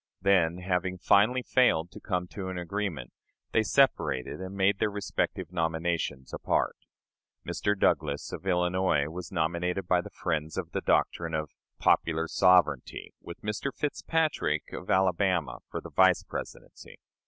Then, having finally failed to come to an agreement, they separated and made their respective nominations apart. Mr. Douglas, of Illinois, was nominated by the friends of the doctrine of "popular sovereignty," with Mr. Fitzpatrick, of Alabama, for the Vice Presidency.